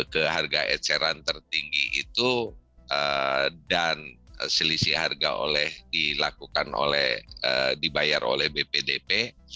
ke harga eceran tertinggi itu dan selisih harga oleh dilakukan oleh dibayar oleh bpdp